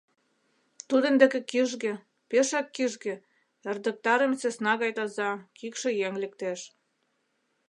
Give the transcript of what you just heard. Тудын деке кӱжгӧ, пешак кӱжгӧ, ӧрдыктарыме сӧсна гай таза, кӱкшӧ еҥ лектеш.